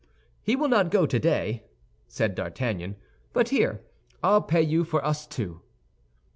"He will not go today," said D'Artagnan; "but here, I'll pay you for us two."